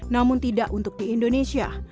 namun tidak untuk di indonesia